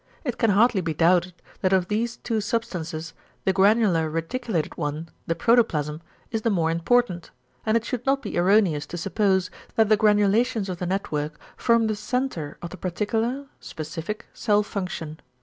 It can hardly be doubted, that of these two substances the granular reticulated one the protoplasm is the more important; and it should not be erroneous to suppose that the granulations of the network form the =centre of the particular (specific) cell function=.